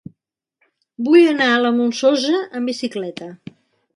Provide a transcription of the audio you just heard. Vull anar a la Molsosa amb bicicleta.